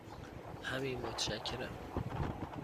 همین، متشکرم.